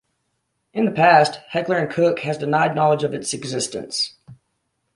In the past, Heckler and Koch has denied knowledge of its existence.